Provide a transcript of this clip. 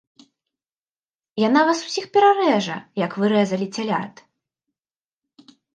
Яна вас усіх перарэжа, як вы рэзалі цялят!